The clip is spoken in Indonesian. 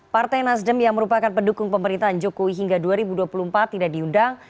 partai nasdem yang merupakan pendukung pemerintahan jokowi hingga dua ribu dua puluh empat tidak diundang